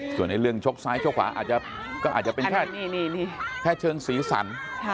ส่วนเรื่องชกซ้ายชกขวาอาจจะเป็นแค่เชิงสีสัน